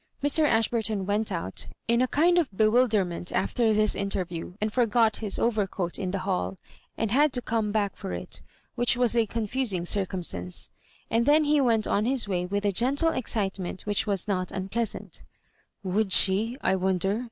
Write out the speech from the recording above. Mr. Ashburton went out m a kind of bewilder ment after this interview, and forgot his overcoat in the hall, and had to come back for it, which was a confusing circumstance ; and then he went on his way with a gentle excitement which was not unpleasant " Would she, I wonder